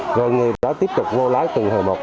người người đã tiếp tục vô lái từ hồi mập